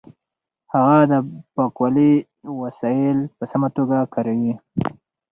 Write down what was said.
هغه د پاکوالي وسایل په سمه توګه کاروي.